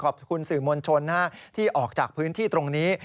ขอบคุณสื่อมวลชนที่ออกจากพื้นที่ตรงนี้